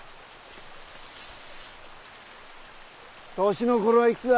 年の頃はいくつだ？